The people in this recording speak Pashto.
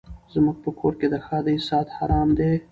زموږ په کور کي د ښادۍ ساعت حرام دی